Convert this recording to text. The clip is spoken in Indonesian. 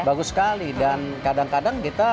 bagus sekali dan kadang kadang kita